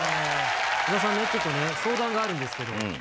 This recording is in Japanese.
小田さんね、ちょっとね、相談があるんですけど。